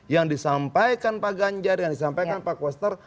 yang disampaikan pak ganjar yang disampaikan pak koster